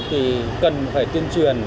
thì cần phải tuyên truyền